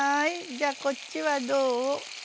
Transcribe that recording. じゃあこっちはどう？